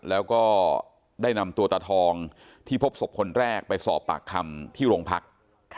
แล้วก็ได้นำตัวตาทองที่พบศพคนแรกไปสอบปากคำที่โรงพัก